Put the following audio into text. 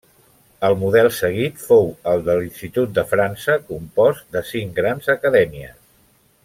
El model seguit fou el de l'Institut de França, compost de cinc grans acadèmies.